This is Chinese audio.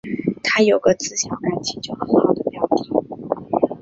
她有个自小感情就很好的表弟